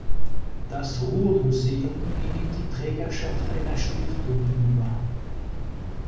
Das Ruhr Museum ging in die Trägerschaft einer Stiftung über.